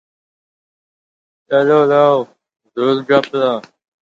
Yaratgan Egam ularni oldinroq o‘z huzuriga chaqiradi.